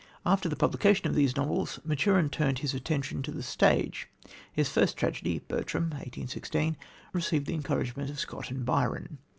After the publication of these novels, Maturin turned his attention to the stage. His first tragedy, Bertram (1816), received the encouragement of Scott and Byron.